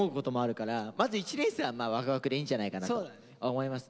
まず１年生はまあワクワクでいいんじゃないかなと思いますね。